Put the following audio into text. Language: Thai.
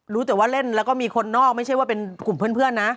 รู้แต่ว่าเล่นแล้วก็มีคนนอกไม่ใช่ว่าเป็นกลุ่มเพื่อนนะ